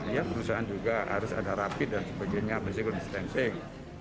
ya perusahaan juga harus ada rapid dan sebagainya physical distancing